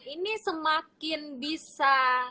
ini semakin bisa